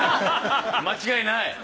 間違いない？